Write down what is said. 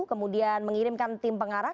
kemudian mengirimkan tim pengarah